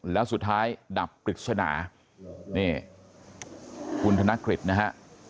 แล้วสุดท้ายดับปริศนานี่คุณธนกฤษนะฮะ